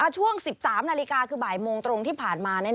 ช่วง๑๓นาฬิกาคือบ่ายโมงตรงที่ผ่านมา